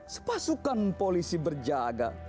sepasukan polisi berjaga